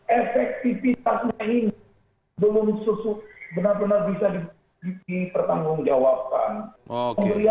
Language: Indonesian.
efektivitasnya ini belum benar benar bisa dipertanggungjawabkan